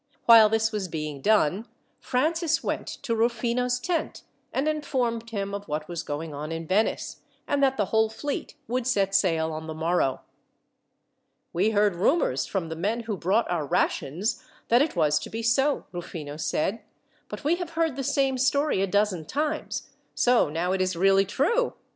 While this was being done, Francis went to Rufino's tent, and informed him of what was going on in Venice, and that the whole fleet would set sail on the morrow. "We heard rumours, from the men who brought our rations, that it was to be so," Rufino said; "but we have heard the same story a dozen times. So, now, it is really true!